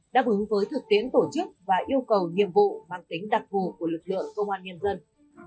đáp ứng với thực tiễn tổ chức và yêu cầu nhiệm vụ mang tính đặc vụ của lực lượng công an nhân dân